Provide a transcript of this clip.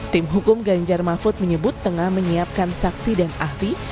tim hukum ganjar mahfud menyebut tengah menyiapkan saksi dan ahli